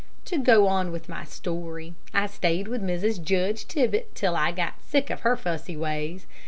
To go on with my story: I stayed with Mrs. Judge Tibbett till I got sick of her fussy ways.